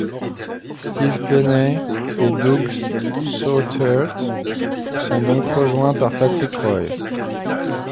Steve Penney et Doug Soetaert sont donc rejoints par Patrick Roy.